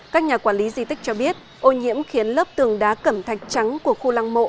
các nhà quản lý di tích cho biết ô nhiễm khiến lớp tường đá cẩm thạch trắng của khu lăng mộ